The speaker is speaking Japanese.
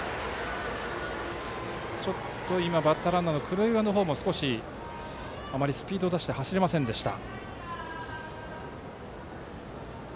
ちょっとバッターランナーの黒岩の方もあまりスピードを出して走れませんでした。